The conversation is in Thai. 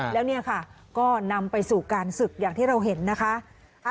แล้วเนี่ยค่ะก็นำไปสู่การศึกอย่างที่เราเห็นนะคะ